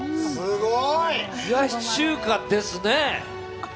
冷やし中華ですね。